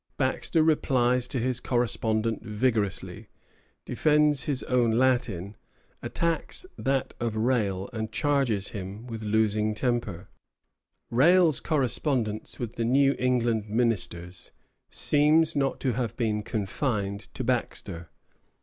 Baxter replies to his correspondent vigorously, defends his own Latin, attacks that of Rale, and charges him with losing temper. Rale's correspondence with the New England ministers seems not to have been confined to Baxter.